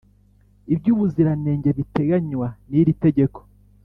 Iby’ubuziranenge biteganywa n’iri tegeko